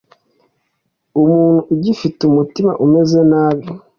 Umuntu ugifite umutima umeze nabi